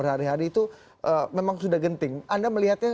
hari hari itu memang sudah genting anda melihatnya